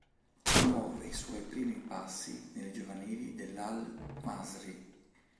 Muove i suoi primi passi nelle giovanili dell'Al-Masry.